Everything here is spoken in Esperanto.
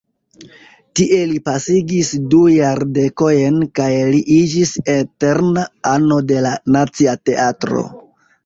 Tie li pasigis du jardekojn kaj li iĝis eterna ano de la Nacia Teatro.